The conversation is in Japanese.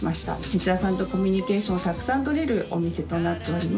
チンチラさんとコミュニケーションをたくさん取れるお店となっております。